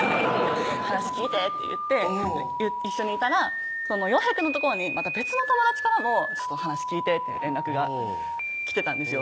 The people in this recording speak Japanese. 「話聞いて」って言って一緒にいたらヨウヘイくんの所にまた別の友達からも「話聞いて」っていう連絡が来てたんですよ